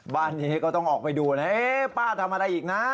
บ้านนี้ก็ต้องออกไปดูนะป้าทำอะไรอีกนะ